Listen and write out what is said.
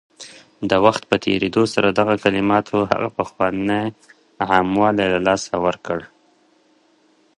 د وخت په تېرېدو سره دغه کلماتو هغه پخوانی عام والی له لاسه ورکړ